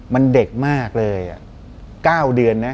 มันเด็กมากเลย